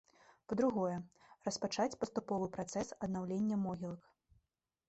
Па-другое, распачаць паступовы працэс аднаўлення могілак.